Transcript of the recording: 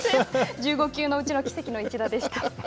１５球のうちの奇跡の一打でした。